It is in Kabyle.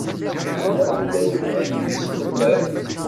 Yuba yella yebɣa ad kem-yesnemmer.